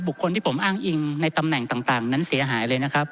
คนที่ผมอ้างอิงในตำแหน่งต่างนั้นเสียหายเลยนะครับ